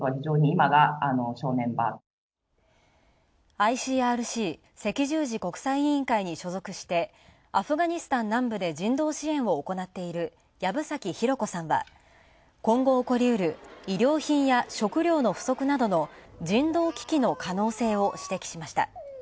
ＩＣＲＣ＝赤十字国際委員会に所属してアフガニスタン南部で人道支援を行っている藪崎拡子さんは、今後起こりうる医療品や食糧の不足など人道危機の可能性を指摘しました。